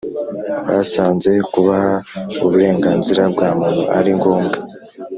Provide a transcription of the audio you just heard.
Basanze kubaha uburenganzira bwa muntu ari ngombwa